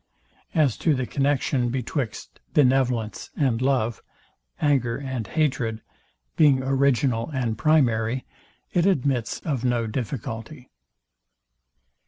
As to the connexion betwixt benevolence and love, anger and hatred, being original and primary, it admits of no difficulty.